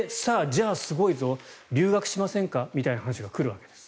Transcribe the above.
じゃあすごいぞ留学しませんかみたいな話が来るわけです。